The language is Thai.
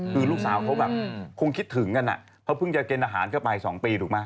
คือลูกสาวเขาแบบคงคิดถึงกันเขาเพิ่งจะกินอาหารเข้าไป๒ปีถูกไหม